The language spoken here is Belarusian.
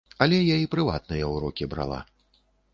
Але я і прыватныя ўрокі брала.